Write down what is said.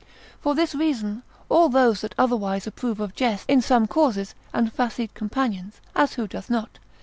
For this reason, all those that otherwise approve of jests in some cases, and facete companions, (as who doth not?)